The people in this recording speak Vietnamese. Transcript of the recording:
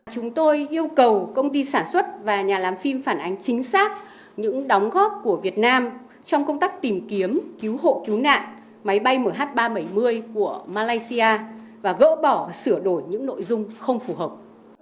chúng tôi yêu cầu công ty sản xuất và nhà làm phim phản ánh chính xác những đóng góp của việt nam trong công tác tìm kiếm cứu hộ cứu nạn máy bay mh ba trăm bảy mươi của malaysia và gỡ bỏ sửa đổi những nội dung không phù hợp